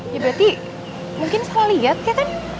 ya berarti mungkin salah liat ya kan